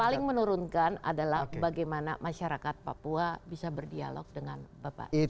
paling menurunkan adalah bagaimana masyarakat papua bisa berdialog dengan bapak